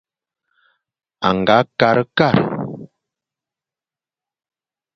A nga kakh-e-kakh.